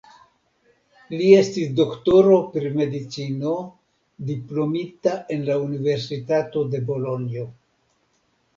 Li estis doktoro pri medicino diplomita en la Universitato de Bolonjo.